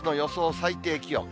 最低気温。